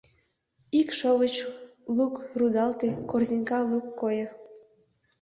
Ик шовыч лук рудалте, корзинка лук койо.